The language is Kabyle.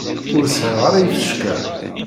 Ur sɛiɣ ara ifecka.